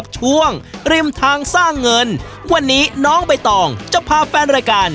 ช่วงริมทางสร้างเงินวันนี้น้องใบตองจะพาแฟนรายการ